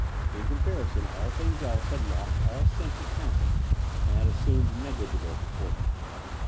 In comparison all things else had lost all sense of counting and had assumed negligible proportion.